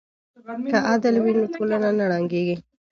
که عدل وي نو ټولنه نه ړنګیږي.